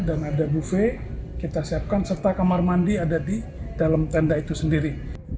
dan ada buffet kita siapkan serta kamar mandi ada di dalam tenda itu sendiri